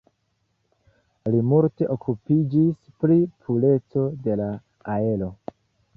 Li multe okupiĝis pri pureco de la aero.